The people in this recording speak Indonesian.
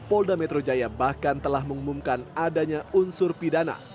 polda metro jaya bahkan telah mengumumkan adanya unsur pidana